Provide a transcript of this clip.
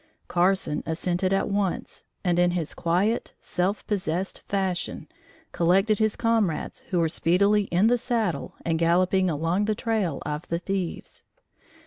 Carson assented at once, and, in his quiet, self possessed fashion, collected his comrades who were speedily in the saddle and galloping along the trail of the thieves.